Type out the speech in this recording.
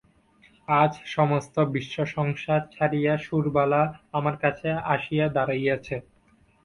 আজ সমস্ত বিশ্বসংসার ছাড়িয়া সুরবালা আমার কাছে আসিয়া দাঁড়াইয়াছে।